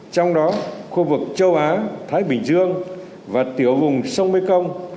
trong đó khu vực châu á thái bình dương và tiểu vùng sông mây công